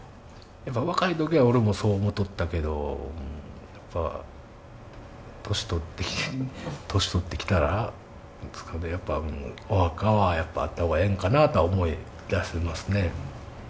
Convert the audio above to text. やっぱ若いときは俺もそう思うとったけどやっぱ年取ってきて年取ってきたらなんていうんですかねお墓はあった方がええんかなと思いだしますね。